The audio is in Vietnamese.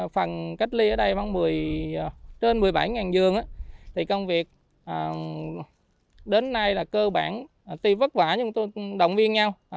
phần cách ly ở đây trên một mươi bảy giường công việc đến nay là cơ bản tuy vất vả nhưng tôi cũng động viên nhau